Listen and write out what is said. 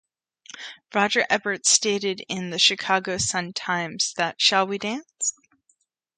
Roger Ebert stated in the "Chicago Sun Times" that "Shall We Dance?